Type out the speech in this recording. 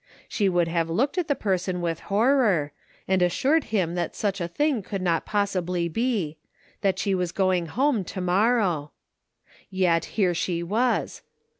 She would have looked at the person with horror, and assured him that such a think could not possibly be; that she was going home to morrow. Yet here she was!